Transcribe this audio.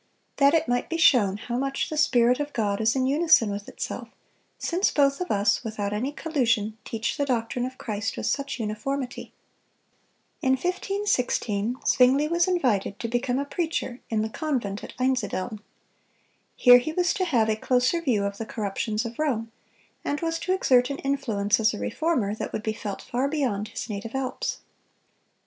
That it might be shown how much the Spirit of God is in unison with itself, since both of us, without any collusion, teach the doctrine of Christ with such uniformity."(245) In 1516 Zwingle was invited to become a preacher in the convent at Einsiedeln. Here he was to have a closer view of the corruptions of Rome, and was to exert an influence as a Reformer that would be felt far beyond his native Alps.